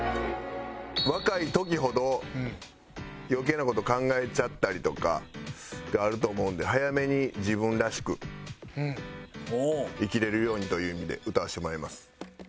若い時ほど余計な事考えちゃったりとかがあると思うので早めに自分らしく生きられるようにという意味で歌わせてもらいます。